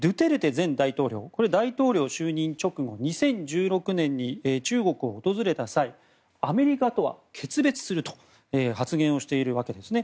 前大統領は大統領就任直後２０１６年に、中国を訪れた際アメリカとは決別すると発言しているわけですね。